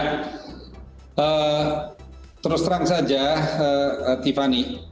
nah terus terang saja tiffany